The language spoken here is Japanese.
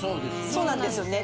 そうなんですよね。